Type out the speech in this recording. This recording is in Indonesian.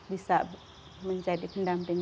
bisa menjadi pendamping